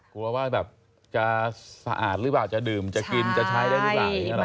กลัวว่าจะสะอาดหรือเปล่าจะดื่มจะกินจะใช้ได้หรือเปล่า